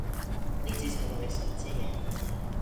立即成為沈積岩